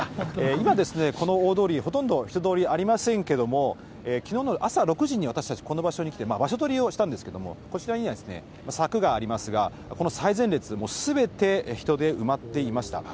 今ですね、この大通り、ほとんど人通りありませんけれども、きのうの朝６時に私たち、この場所に来て、場所取りをしたんですけれども、こちらには柵がありますが、この最前列、もうすべて人で埋まっていました。